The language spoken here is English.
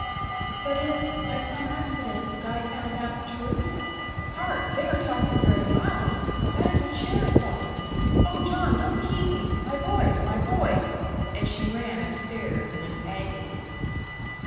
"But if, by some accident, Guy found out the truth? Hark! they are talking very loud. That is a chair fallen. Oh, John don't keep me! My boys my boys." And she ran up stairs in an agony.